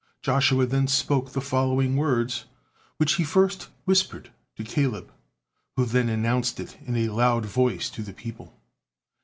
Joshua then spoke the following words which he first whispered to Caleb, who then announced it in a loud voice to the people.